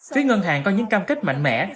với ngân hàng có những cam kết mạnh mẽ